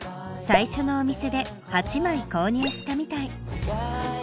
最初のお店で８枚購入したみたい。